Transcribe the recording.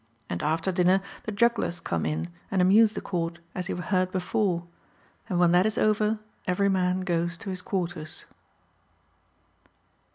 And after dinner the jugglers come in and amuse the Court as you have heard before ; and when that is over, every man goes to his quarters.